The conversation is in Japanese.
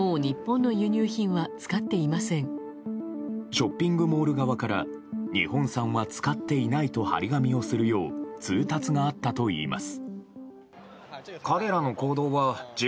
ショッピングモール側から日本産は使っていないと貼り紙をするよう通達があったといいます。